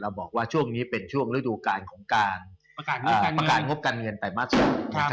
บอกว่าช่วงนี้เป็นช่วงฤดูการของการประกาศงบการเงินไปมากสุด